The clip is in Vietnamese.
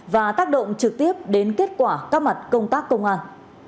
và tác động trực tiếp đến kết quả các mặt công tác công an